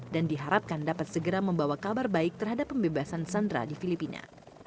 dan diharapkan dapat segera membawa kabar baik terhadap pembebasan sandra di filipina